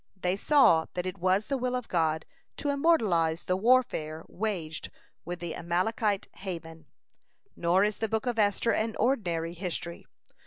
They saw that it was the will of God to immortalize the warfare waged with the Amalekite Haman. Nor is the Book of Esther an ordinary history.